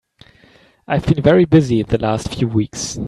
I've been very busy the last few weeks.